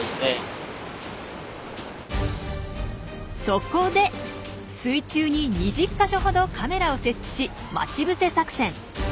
そこで水中に２０か所ほどカメラを設置し待ち伏せ作戦。